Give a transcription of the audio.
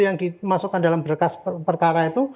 yang dimasukkan dalam berkas perkara itu